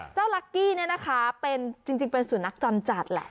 จริงเป็นสุนัขจรจัดแหละ